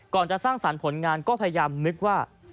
จะสร้างสรรค์ผลงานก็พยายามนึกว่า